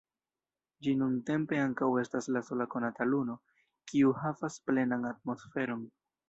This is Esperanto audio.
Ĝi nuntempe ankaŭ estas la sola konata luno, kiu havas plenan atmosferon.